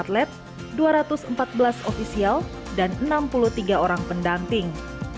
tim terdiri dari empat ratus sembilan puluh sembilan atlet dua ratus empat belas ofisial dan enam puluh tiga orang pendanting